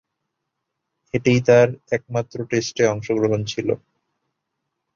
এটিই তার একমাত্র টেস্টে অংশগ্রহণ ছিল।